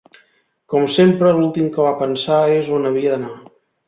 Com sempre, l'últim que va pensar és on havia d'anar.